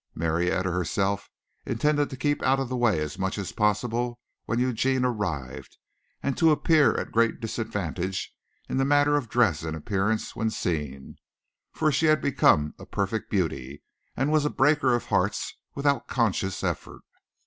Marietta herself intended to keep out of the way as much as possible when Eugene arrived, and to appear at great disadvantage in the matter of dress and appearance when seen; for she had become a perfect beauty and was a breaker of hearts without conscious effort.